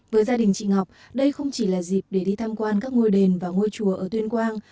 với gia đình chị ngọc đây không chỉ là dịp để đi tham quan các ngôi đền và ngôi chùa ở tuyên quang